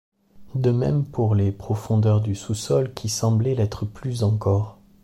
De même pour les profondeurs du sous-sol qui semblaient l'être plus encore.